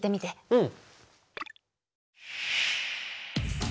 うん。